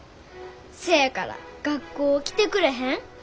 せやから学校来てくれへん？